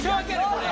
これ。